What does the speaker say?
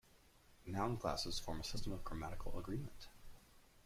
Noun classes form a system of grammatical agreement.